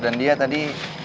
dan dia tadi